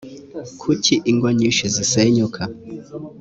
kuki ingo nyinshi zisenyuka